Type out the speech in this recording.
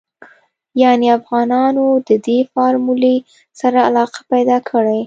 يانې افغانانو ددې فارمولې سره علاقه پيدا کړې.